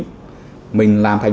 mình làm thành một cái mặt trời